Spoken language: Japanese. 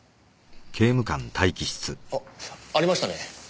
あっありましたね。